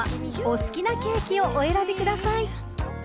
［お好きなケーキをお選びください］